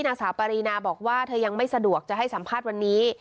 นางสาวปารีนาบอกว่าเธอยังไม่สะดวกจะให้สัมภาษณ์วันนี้